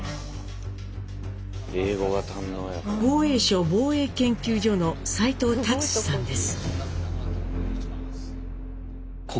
防衛省防衛研究所の齋藤達志さんです。